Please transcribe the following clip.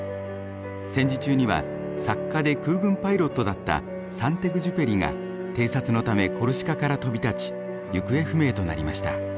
戦時中には作家で空軍パイロットだったサンテグジュペリが偵察のためコルシカから飛び立ち行方不明となりました。